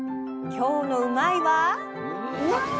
今日の「うまいッ！」は。